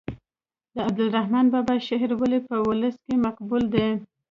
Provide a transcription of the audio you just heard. د عبدالرحمان بابا شعر ولې په ولس کې مقبول دی.